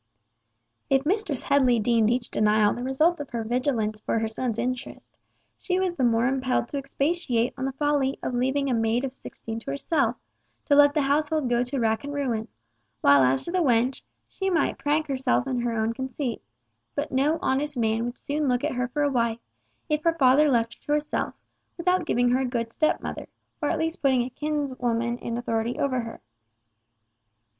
If Mistress Headley deemed each denial the result of her vigilance for her son's interests, she was the more impelled to expatiate on the folly of leaving a maid of sixteen to herself, to let the household go to rack and ruin; while as to the wench, she might prank herself in her own conceit, but no honest man would soon look at her for a wife, if her father left her to herself, without giving her a good stepmother, or at least putting a kinswoman in authority over her.